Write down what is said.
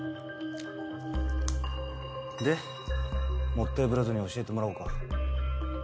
もったいぶらずに教えてもらおうか。